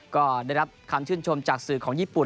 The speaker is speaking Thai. ก็ได้รับคำชื่นชมจากสื่อของญี่ปุ่น